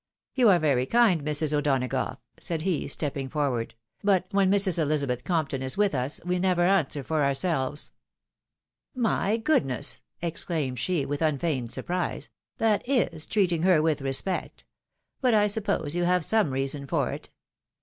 " You are very kind, Mrs. O'Donagough," said he, stepping forward ;" but when Mrs. Elizabeth Compton is with us, we never answer for ourselves." "My goodness!" exclaimed she, with unfeigned surprise, " that is treating her with respect ! But I suppose you have some reason for it.